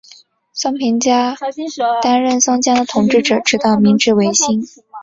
松平家担任松江的统治者直到明治维新。